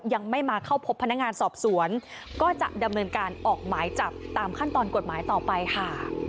ยังไม่มาเข้าพบพนักงานสอบสวนก็จะดำเนินการออกหมายจับตามขั้นตอนกฎหมายต่อไปค่ะ